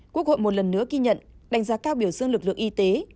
quốc hội một lần nữa ghi nhận đánh giá cao biểu dương lực lượng y tế